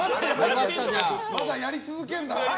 まだやり続けるんだ。